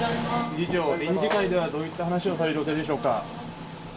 理事長、臨時理事会ではどういった話をされる予定でしょうか。